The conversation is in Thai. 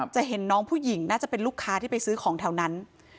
จะเห็นน้องผู้หญิงน่าจะเป็นลูกค้าที่ไปซื้อของแถวนั้น